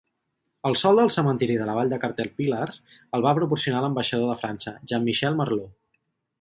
El sòl del cementiri de la vall de Caterpillar el va proporcionar l'ambaixador de França, Jean-Michel Marlaud.